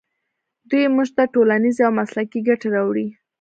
دوی موږ ته ټولنیزې او مسلکي ګټې راوړي.